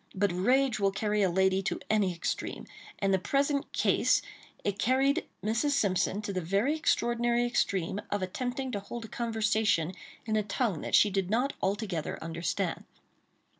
But rage will carry a lady to any extreme; and in the present care it carried Mrs. Simpson to the very extraordinary extreme of attempting to hold a conversation in a tongue that she did not altogether understand.